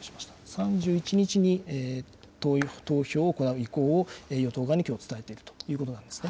３１日に投票を行う意向を与党側にきょう、伝えているということなんですね。